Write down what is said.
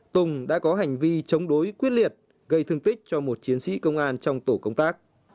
tùng đã có hành vi chống đối quyết liệt gây thương tích cho một chiến sĩ công an trong tổ công tác